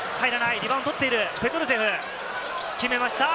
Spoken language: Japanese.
リバウンド取って、ペトルセフ、決めました。